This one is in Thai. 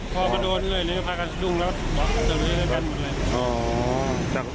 พอกระโดนเลยพายกันดุ้งแล้วกระโดนกันหมดเลย